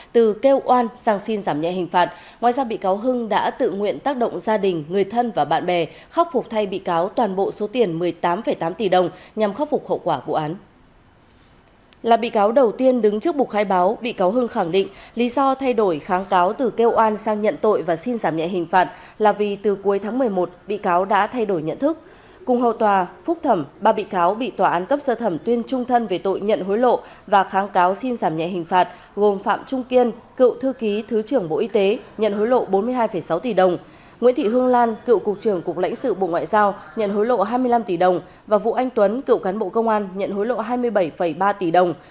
thị hương lan cựu cục trưởng cục lãnh sự bộ ngoại giao nhận hối lộ hai mươi năm tỷ đồng và vũ anh tuấn cựu cán bộ công an nhận hối lộ hai mươi bảy ba tỷ đồng